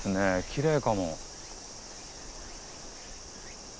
きれいかも。